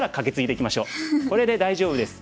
これで大丈夫です。